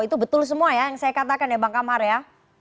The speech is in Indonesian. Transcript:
itu betul semua ya yang saya katakan ya bang kamar ya